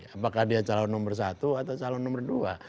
apakah dia calon nomor satu atau calon nomor dua